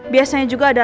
biasanya juga ada